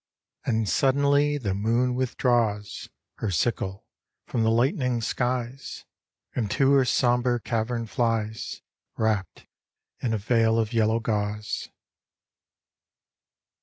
And suddenly the moon withdraws Her sickle from the lightening skies, And to her sombre cavern flies, Wrapped in a veil of yellow gauze.